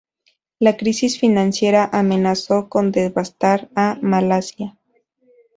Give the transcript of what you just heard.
La crisis financiera amenazó con devastar a Malasia.